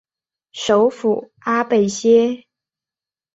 首府阿贝歇。